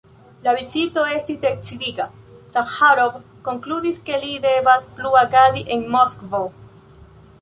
La vizito estis decidiga: Saĥarov konkludis, ke li devas plu agadi en Moskvo.